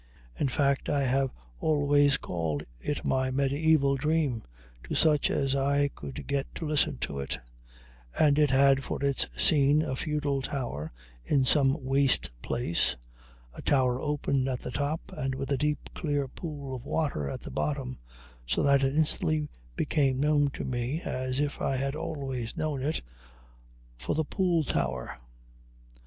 In fact, I have always called it my mediæval dream, to such as I could get to listen to it; and it had for its scene a feudal tower in some waste place, a tower open at the top and with a deep, clear pool of water at the bottom, so that it instantly became known to me, as if I had always known it, for the Pool Tower.